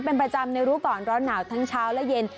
เป็นประจำในรู้ก่อนร้อนหนาวทั้งเช้าและเย็น